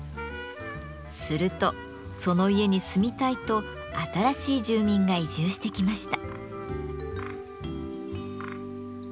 するとその家に住みたいと新しい住民が移住してきました。